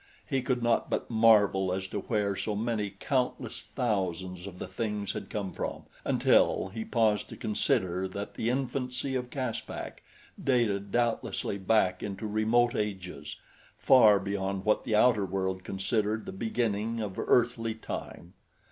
He could not but marvel as to where so many countless thousands of the things had come from, until he paused to consider that the infancy of Caspak dated doubtlessly back into remote ages, far beyond what the outer world considered the beginning of earthly time.